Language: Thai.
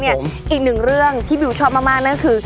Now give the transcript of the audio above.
สวัสดีครับพี่นักจัดทนาทิพย์